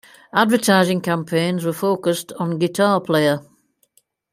Advertising campaigns were focused on Guitar Player.